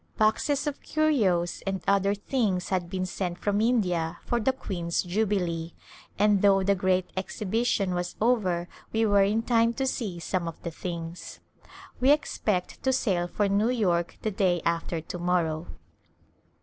Boxes of curios and other things had been sent from India for the Queen's Jubilee, and though the great exhibition was over we were in time to see some of the things. We expect to sail for New York the day after to morrow.